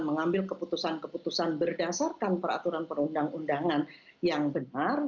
mengambil keputusan keputusan berdasarkan peraturan perundang undangan yang benar